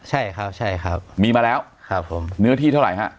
ใช่ครับใช่ครับมีมาแล้วครับผมเนื้อที่เท่าไหร่ฮะ